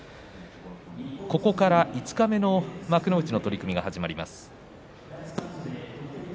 ここから五日目の幕内の取組が始まります。